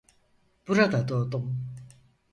Burada doğdum.